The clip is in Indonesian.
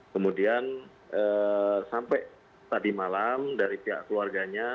kemudian sampai tadi malam dari pihak keluarganya